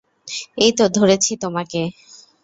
এইতো ধরেছি তোমাকে।